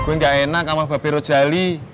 gue gak enak sama bapero jali